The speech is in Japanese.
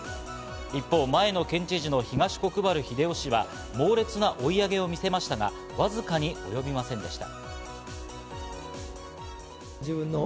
一方、前の県知事の東国原英夫氏は猛烈な追い上げを見せましたが、わずかに及びませんでした。